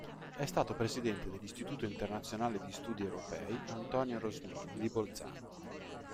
È stato presidente dell'Istituto internazionale di Studi europei "Antonio Rosmini" di Bolzano.